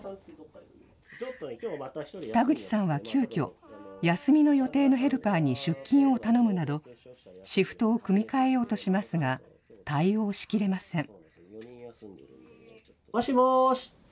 田口さんは急きょ、休みの予定のヘルパーに出勤を頼むなど、シフトを組み替えようとしますが、対応しきれません。